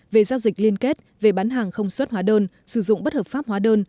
về giao dịch liên kết về bán hàng không xuất hóa đơn sử dụng bất hợp pháp hóa đơn